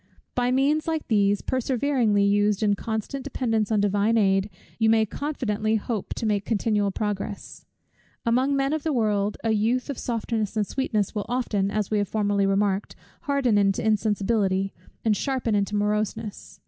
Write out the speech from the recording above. By means like these, perseveringly used in constant dependence on Divine aid, you may confidentially hope to make continual progress. Among men of the world, a youth of softness and sweetness will often, as we formerly remarked, harden into insensibility, and sharpen into moroseness.